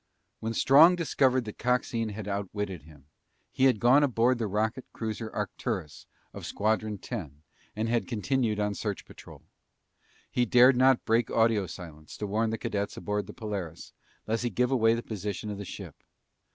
When Strong discovered that Coxine had outwitted him, he had gone aboard the rocket cruiser Arcturus of Squadron Ten and had continued on search patrol. He dared not break audio silence to warn the cadets aboard the Polaris, lest he give away the position of the ship.